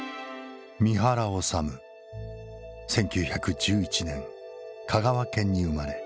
１９１１年香川県に生まれ